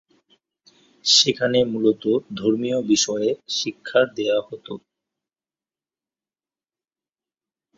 সেখানে মূলত ধর্মীয় বিষয়ে শিক্ষা দেয়া হতো।